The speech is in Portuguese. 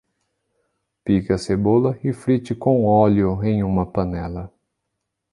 Pique a cebola e frite com óleo em uma panela.